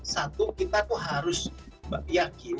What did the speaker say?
satu kita tuh harus yakin